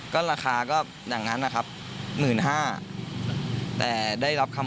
ก็ราคาก็อย่างนั้นนะครับหมื่นห้า